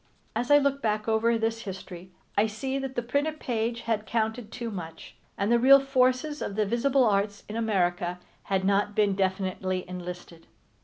As I look back over this history I see that the printed page had counted too much, and the real forces of the visible arts in America had not been definitely enlisted.